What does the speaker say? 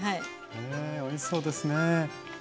ねえおいしそうですね！